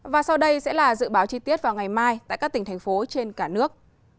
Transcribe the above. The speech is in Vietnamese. và sau đây sẽ là dự báo chi tiết vào ngày mai tại các tỉnh thành phố trên cả nước